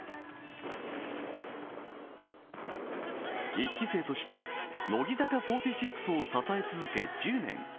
１期生として、乃木坂４６を支え続け１０年。